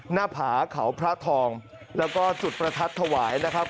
หน้าผาเขาพระทองแล้วก็จุดประทัดถวายนะครับ